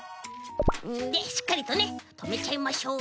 でしっかりとねとめちゃいましょう。